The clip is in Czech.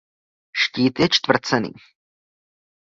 Štít je čtvrcený.